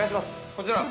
◆こちら。